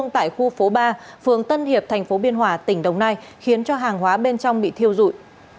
tại khu phố ba phường tân hiệp thành phố biên hòa tỉnh đồng nai khiến cho hàng hóa bên trong bị thiêu dụi